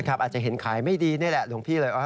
อาจจะเห็นขายไม่ดีนี่แหละหลวงพี่เลย